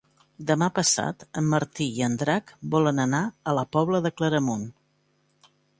Demà passat en Martí i en Drac volen anar a la Pobla de Claramunt.